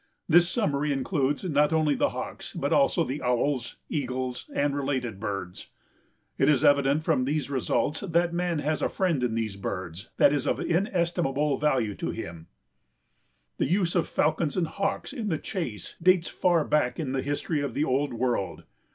This summary includes not only the Hawks but also the owls, eagles and related birds. It is evident from these results that man has a friend in these birds that is of inestimable value to him. The use of falcons and Hawks in the chase dates far back in the history of the Old World.